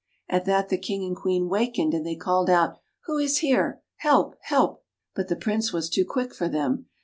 At that the King and Queen wakened, and they called out, " Who is here? Help! Help! " But the Prince was too quick for them.